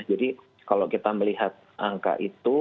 jadi kalau kita melihat angka itu